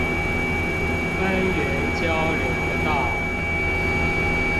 芬園交流道